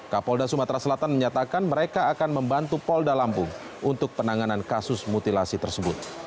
kapolda sumatera selatan menyatakan mereka akan membantu polda lampung untuk penanganan kasus mutilasi tersebut